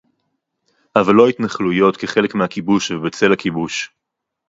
אבל לא התנחלויות כחלק מהכיבוש ובצל הכיבוש